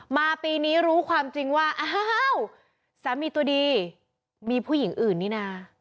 ปีนี้รู้ความจริงว่าอ้าวสามีตัวดีมีผู้หญิงอื่นนี่นะ